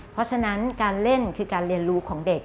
เพราะฉะนั้นการเล่นคือการเรียนรู้ของเด็ก